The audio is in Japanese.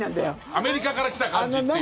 アメリカから来た感じっていう。